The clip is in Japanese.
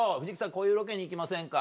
こういうロケに行きませんか？」